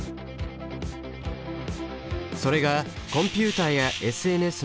それがコンピュータやＳＮＳの普及